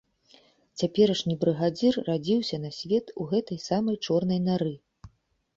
Цяперашні брыгадзір радзіўся на свет у гэтай самай чорнай нары.